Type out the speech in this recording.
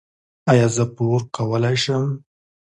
ایا زه پور کولی شم؟